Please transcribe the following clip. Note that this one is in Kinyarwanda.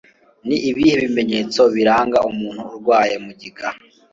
Ni ibihe bimenyetso biranga umuntu urwaye mugiga?